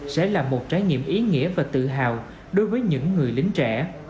sẽ là một trải nghiệm ý nghĩa và tự hào đối với những người lính trẻ